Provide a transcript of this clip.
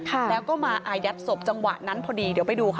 แล้วก็มาอายัดศพจังหวะนั้นพอดีเดี๋ยวไปดูค่ะ